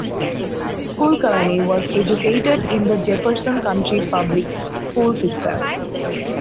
Kulkarni was educated in the Jefferson County Public School system.